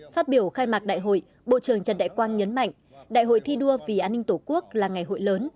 phát biểu khai mạc đại hội bộ trưởng trần đại quang nhấn mạnh đại hội thi đua vì an ninh tổ quốc là ngày hội lớn